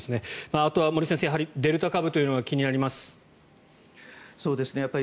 あとは森内先生、デルタ株というのが気になります。